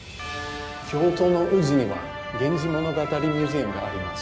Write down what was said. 京都の宇治には源氏物語ミュージアムがあります。